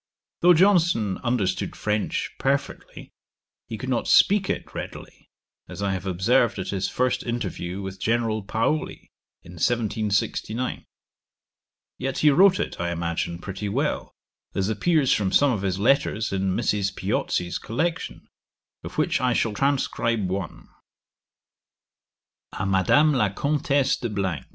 Though Johnson understood French perfectly, he could not speak it readily, as I have observed at his first interview with General Paoli, in 1769; yet he wrote it, I imagine, pretty well, as appears from some of his letters in Mrs. Piozzi's collection, of which I shall transcribe one: _A Madame La Comtesse de _.